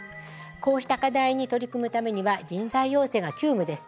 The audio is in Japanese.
こうした課題に取り組むためには人材養成が急務です。